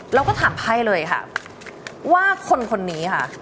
เราก็ถามไพ่เลยค่ะว่าคนคนนี้ค่ะ